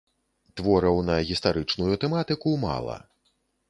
Твораў на гістарычную тэматыку мала.